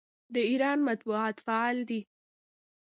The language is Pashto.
د ایران مطبوعات فعال دي.